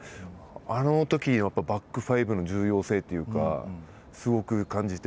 あのとき、バックファイブの重要性というか、すごく感じて。